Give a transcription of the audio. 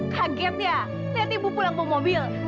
kaget ya lihat ibu pulang ke mobil